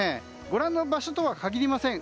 ご覧の場所とは限りません。